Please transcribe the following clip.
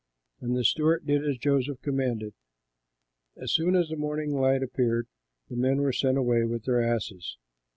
And the steward did as Joseph commanded. As soon as the morning light appeared, the men were sent away with their asses.